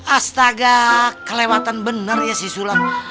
astaga kelewatan benar ya si sulam